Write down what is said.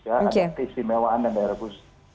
ada keistimewaan dan daerah khusus